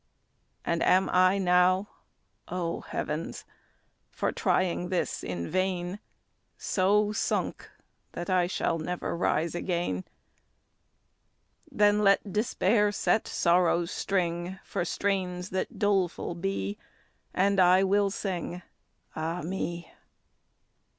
And am I now, O heavens! for trying this in vain, So sunk that I shall never rise again? Then let despair set sorrow's string, For strains that doleful be; And I will sing, Ah me!